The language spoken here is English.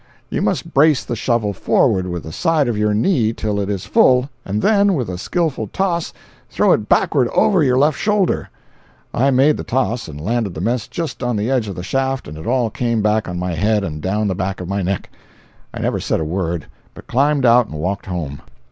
You must brace the shovel forward with the side of your knee till it is full, and then, with a skilful toss, throw it backward over your left shoulder. I made the toss, and landed the mess just on the edge of the shaft and it all came back on my head and down the back of my neck. I never said a word, but climbed out and walked home.